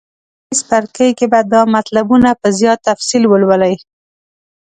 په دې څپرکي کې به دا مطلبونه په زیات تفصیل ولولئ.